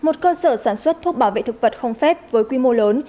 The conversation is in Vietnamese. một cơ sở sản xuất thuốc bảo vệ thực vật không phép với quy mô lớn